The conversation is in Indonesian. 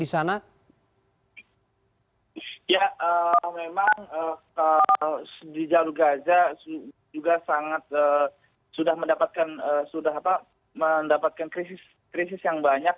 ya memang di jalur gaza juga sangat sudah mendapatkan krisis yang banyak